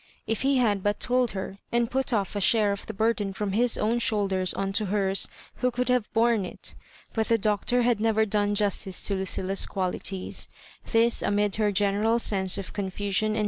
If he had but told her< and put ofif a share of the burd^i from his own shoulders on to hers who oould have bohie it I but the Doctor had never done justioe to LndUa's qualities. Thi8» amid her general sense of confusion and.